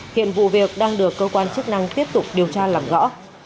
hiện vụ việc đang được cơ quan chức năng tiếp tục điều tra làm rõ